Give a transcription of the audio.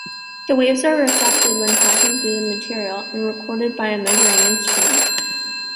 The waves are reflected when passing through the material and recorded by a measuring instrument.